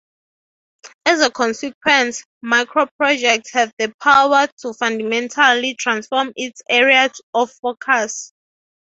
As a consequence, macro-projects have the power to fundamentally transform its area of focus.